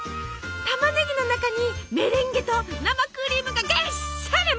たまねぎの中にメレンゲと生クリームがぎっしり！